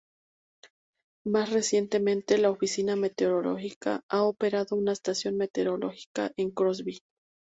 Más recientemente la Oficina Meteorológica ha operado una estación meteorológica en Crosby.